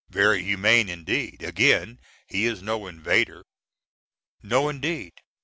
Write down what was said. Very humane indeed! Again, he is no invader! No indeed!